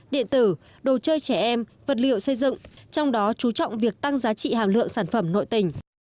điện tử đồ chơi trẻ em vật liệu xây dựng trong đó chú trọng việc tăng giá trị hàm lượng sản phẩm nội tỉnh